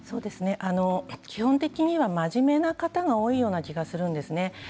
基本的には真面目な方が多いような気がするんですね。